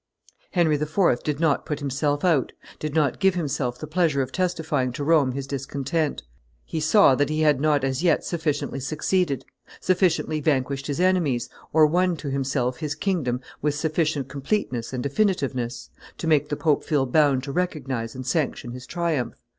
Henry IV. did not put himself out, did not give himself the pleasure of testifying to Rome his discontent; he saw that he had not as yet sufficiently succeeded sufficiently vanquished his enemies, or won to himself his kingdom with sufficient completeness and definitiveness to make the pope feel bound to recognize and sanction his triumph.